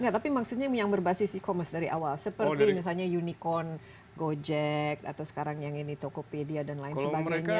tapi maksudnya yang berbasis e commerce dari awal seperti misalnya unicorn gojek atau sekarang yang ini tokopedia dan lain sebagainya